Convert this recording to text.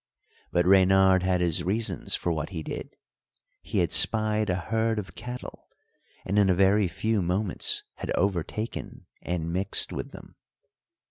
But reynard had his reasons for what he did; he had spied a herd of cattle, and in a very few moments had overtaken and mixed with them.